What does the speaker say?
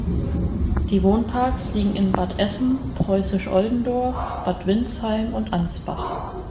Die Wohnparks liegen in Bad Essen, Preußisch Oldendorf, Bad Windsheim und Ansbach.